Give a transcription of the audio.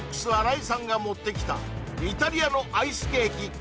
ＭＡＸ荒井さんが持ってきたイタリアのアイスケーキ